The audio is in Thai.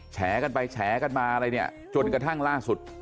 แฉกันไปแฉกันมาอะไรเนี่ยจนกระทั่งล่าสุด